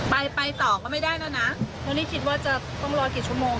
ไปไปต่อก็ไม่ได้แล้วนะแล้วนี่คิดว่าจะต้องรอกี่ชั่วโมง